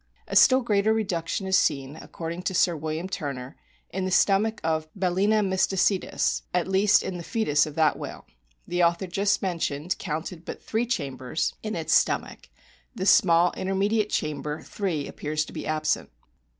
A still greater reduction is seen, according to Sir William Turner, in the stomach of Balcena mysticetus, at least in the foetus of that whale. The author just mentioned counted but three chambers in its 62 A BOOK OF WHALES stomach; the small intermediate chamber III. appears to be absent.